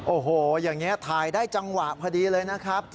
โอ้โหอย่างนี้ถ่ายได้จังหวะพอดีเลยนะครับ